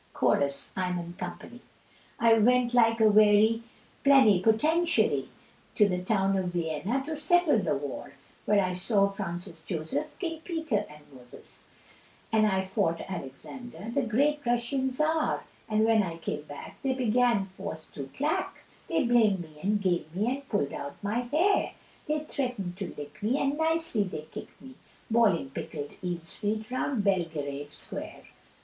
Chorus. I'm, &c. I went like a wary plenipotentiary, To the town of Vienna to settle the war, Where I saw Francis Joseph, King Peter, and Moses, And I fought Alexander, the great Russian Czar; And when I came back they began for to clack, They blamed me and gamed me and pulled out my hair, They threatened to lick me, and nicely they kicked me, Bawling pickled eel's feet around Bel ge rave Square.